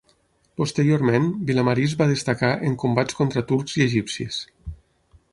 Posteriorment, Vilamarí es va destacar en combats contra turcs i egipcis.